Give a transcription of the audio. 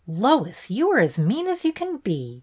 '' Lois, you are as mean as you can be.